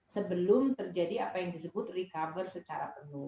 sebelum terjadi apa yang disebut recover secara penuh